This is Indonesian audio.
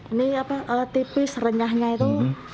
ini tipis renyahnya itu